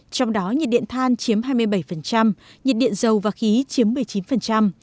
trong đó nhiệt điện than chiếm hai mươi bảy nhiệt điện dầu và khí chiếm một mươi chín